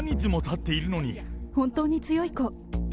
本当に強い子。